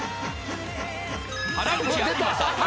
［原口あきまさ。